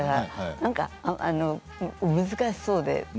なんか難しそうで。